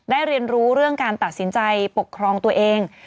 เรียนรู้เรื่องการตัดสินใจปกครองตัวเอง